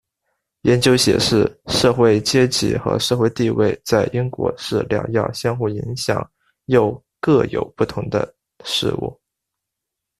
研究显示社会阶级和社会地位在英国是两样相互影响又各有不同的事物。